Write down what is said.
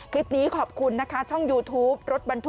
คิดนี้ขอบคุณนะคะ